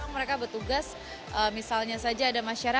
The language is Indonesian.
mereka bertugas misalnya saja ada masyarakat